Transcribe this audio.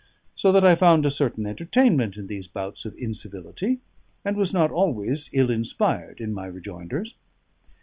So that I found a certain entertainment in these bouts of incivility, and was not always ill inspired in my rejoinders.